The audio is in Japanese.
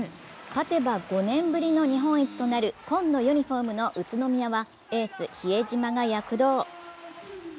勝てば５年ぶりの日本一となる紺のユニフォームの宇都宮はエース・比江島が躍動。